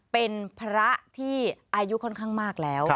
เป็นพระที่อายุค่อนข้างมากแล้ว